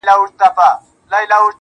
o سپوږمۍ خو مياشت كي څو ورځي وي.